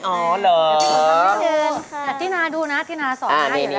แต่ตีน่าดูนะตีน่าสอนให้เดี๋ยวละ